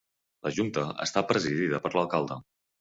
La junta està presidida per l'alcalde.